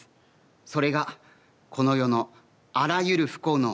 それがこの世のあらゆる不幸の原因です。